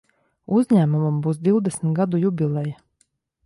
Uzņēmumam būs divdesmit gadu jubileja.